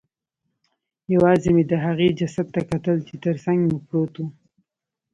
یوازې مې د هغې جسد ته کتل چې ترڅنګ مې پروت و